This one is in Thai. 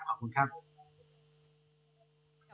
ขอบคุณครับ